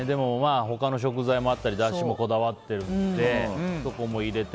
ほかの食材もあったりだしもこだわってるのでそこも入れて。